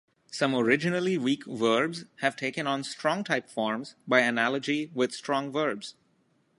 Some originally weak verbs have taken on strong-type forms by analogy with strong verbs.